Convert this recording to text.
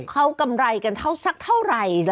เขากำไรกันเท่าสักเท่าไหร่